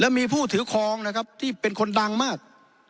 มีผู้ถือครองนะครับที่เป็นคนดังมาก